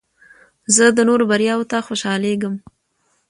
زه د نورو بریاوو ته خوشحالیږم.